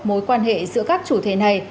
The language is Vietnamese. mối quan hệ giữa các chủ thể này